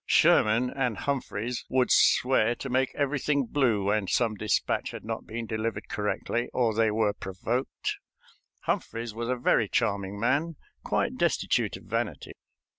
Sherman and Humphreys would swear to make everything blue when some dispatch had not been delivered correctly or they were provoked. Humphreys was a very charming man, quite destitute of vanity.